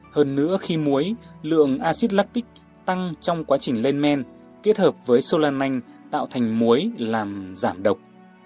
hơn nữa khi muối lượng acid lacic tăng trong quá trình lên men kết hợp với solanin tạo thành muối làm giảm độc